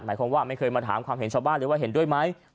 หมายความว่าไม่เคยมาถามความเห็นชาวบ้านเลยว่าเห็นด้วยไหม